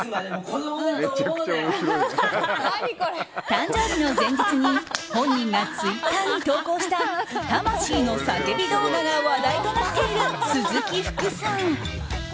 誕生日の前日に本人がツイッターに投稿した魂の叫び動画が話題となっている鈴木福さん。